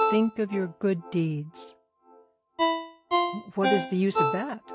Think of your good deeds."' 'What is the use of that?'